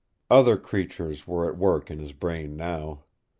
Other creatures were at work in his brain now.